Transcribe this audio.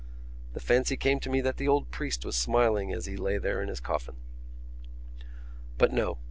The fancy came to me that the old priest was smiling as he lay there in his coffin. But no.